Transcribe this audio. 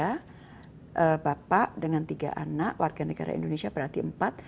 satu keluarga bapak dengan tiga anak warga negara indonesia berarti empat